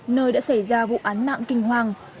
nơi đã xảy ra vụ án mạng kinh hoàng